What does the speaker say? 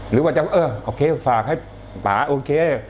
หรือว่าจะว่าเออโอเคฝากให้ป่าโอเค